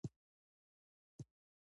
شفاف حکومت خلکو ته حساب ورکوي.